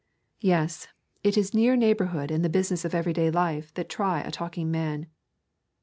Yes, it is near neighbourhood and the business of everyday life that try a talking man.